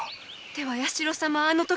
では弥四郎様はあの時。